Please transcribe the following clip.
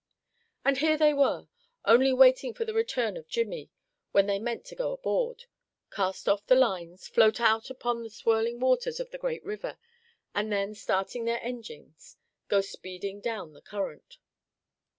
And here they were, only waiting for the return of Jimmie, when they meant to go aboard, cast off the lines, float out upon the swirling waters of the great river, and then starting their engines, go speeding down the current.